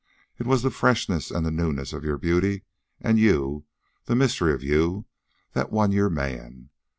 It was the freshness and the newness of your beauty and you, the mystery of you, that won your man.